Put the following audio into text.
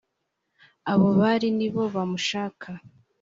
abo bari ni bo bamushaka